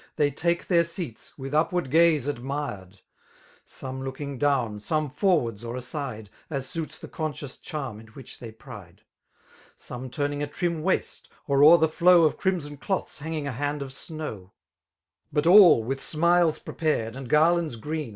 They take Uieir seats^ widi upward gaze admired ^ Some looking down^ some forwards or aside» As suits the conscious diarm in which titey pride; Some turning a trim waist, or o'er ^k flow Of crimson cloths hanging a hand of snow ; But all with smiles prepared^ and garlands green.